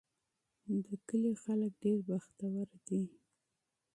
د کلي خلک ډېر بختور دي.